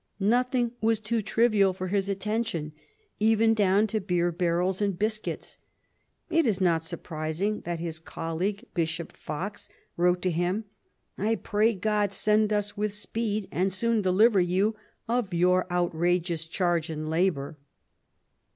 Nothing was too trivial for his attention, even down to beer barrels and biscuits. It is not surprising that his colleague, Bishop Fox, wrote to him, " I pray God send us with speed, and soon deliver you of your outrageous charge and labour."